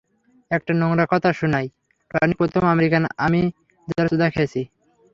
একটা নোংরা কথা শুনাইঃ টনিই প্রথম আমেরিকান আমি যার চুদা খেয়েছি।